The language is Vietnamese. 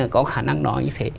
có khả năng đó như thế